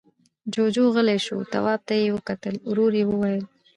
جُوجُو غلی شو، تواب ته يې وکتل، ورو يې وويل: